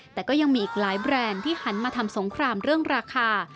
แต่ก็ยังมีอีกหลายแบรนด์ที่หันมาทำสงครามเรื่องราคา